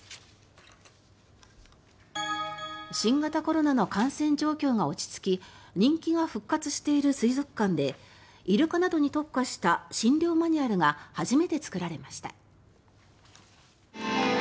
新型コロナの感染状況が落ち着き人気が復活している水族館でイルカなどに特化した診療マニュアルが初めて作られました。